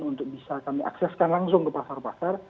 untuk bisa kami akseskan langsung ke pasar pasar